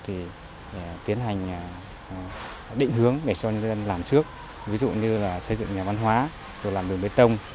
thì tiến hành định hướng để cho nhân dân làm trước ví dụ như là xây dựng nhà văn hóa rồi làm đường bê tông